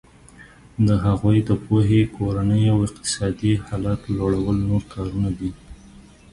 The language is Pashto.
د هغوی د پوهې کورني او اقتصادي حالت لوړول نور کارونه دي.